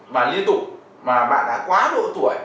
mà liên tục mà bạn đã quá độ tuổi